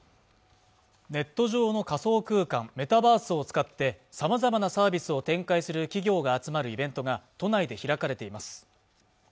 ネット上の仮想空間メタバースを使ってさまざまなサービスを展開する企業が集まるイベントが都内で開かれています